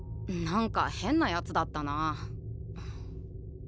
何か変なやつだったな。